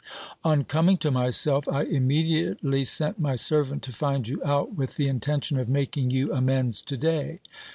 On coming to myself, I immediately sent my servant to find you out, with the intention of making you amends to day.